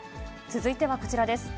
続いてはこちらです。